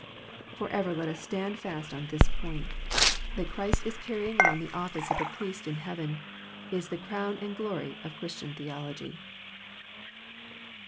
For ever let us stand fast on this point. That Christ is carrying on the office of a Priest in heaven, is the crown and glory of Christian theology.